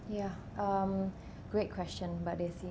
bagus pertanyaan mbak desy